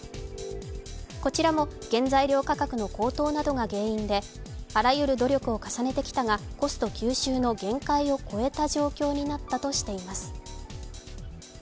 こちらも原材料価格の高騰などが原因であらゆる努力を重ねてきたがコスト吸収の限界を超えた状況になったとしています。